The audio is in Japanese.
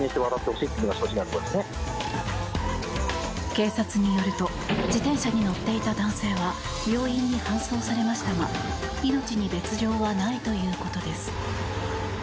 警察によると自転車に乗っていた男性は病院に搬送されましたが命に別条はないということです。